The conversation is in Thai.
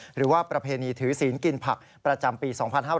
หรือว่าประเพณีถือศีลกินผักประจำปี๒๕๖๑